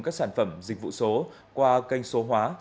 các sản phẩm dịch vụ số qua kênh số hóa